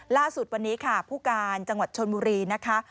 ล่าสุดวันนี้ค่ะผู้การจังหวัดชนบุรีนะคะ